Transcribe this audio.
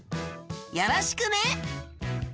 よろしくね。